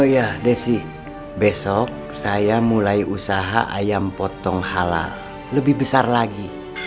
oh ya desi besok saya mulai usaha ayam potong halal lebih besar lagi